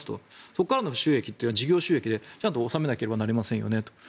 そこからの収益というのは事業収益でちゃんと納めなければなりませんよねと。